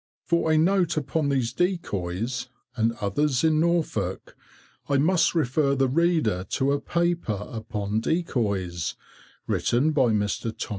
For a note upon these decoys, and others in Norfolk, I must refer the reader to a paper upon decoys, written by Mr. Thos.